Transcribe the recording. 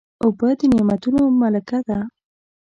اوبه د نعمتونو ملکه ده.